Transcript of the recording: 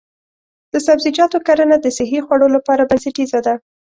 د سبزیجاتو کرنه د صحي خوړو لپاره بنسټیزه ده.